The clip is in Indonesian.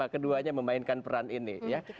kenapa keduanya memainkan peran ini